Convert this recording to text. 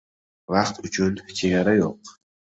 • Vaqt uchun chegara yo‘q.